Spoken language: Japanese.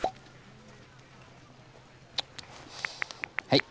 はい。